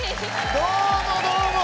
どうもどうも！